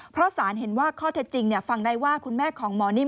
เพราะสารเห็นว่าข้อเท็จจริงฟังได้ว่าคุณแม่ของหมอนิ่